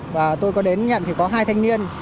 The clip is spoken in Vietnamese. và tôi có đến nhận thì có hai thanh niên